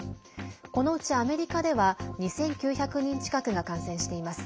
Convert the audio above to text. このうちアメリカでは２９００人近くが感染しています。